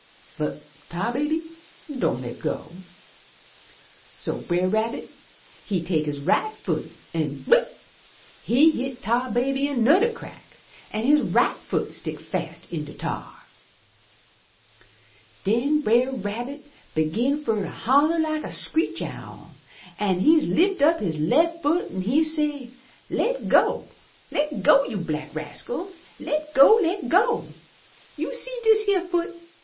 But Tar baby don' le' go. So Brer 239 MY BOOK HOUSE Rabbit he take his right foot an' blimp! he hit Tar baby anudder crack, an' his right foot stick fast in de tar. Den Brer Rabbit begin fur to holler like a screech owl, an' he lift up his left foot an' he say, 'Le' go! Le' go, you black rascal! Le' go! Le' go! You see dis yere foot?